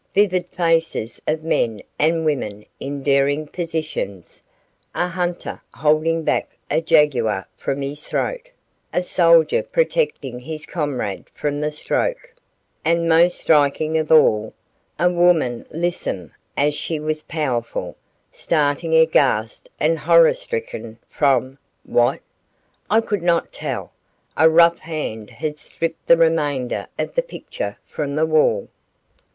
Vivid faces of men and women in daring positions; a hunter holding back a jaguar from his throat; a soldier protecting his comrade from the stroke; and most striking of all, a woman lissome as she was powerful, starting aghast and horror stricken from what? I could not tell; a rough hand had stripped the remainder of the picture from the wall.